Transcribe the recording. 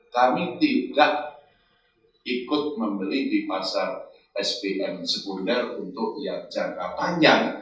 kami tidak ikut membeli di pasar spn sepuluh mili tukar rupiah untuk yang jangka panjang